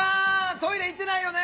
トイレ行ってないよね？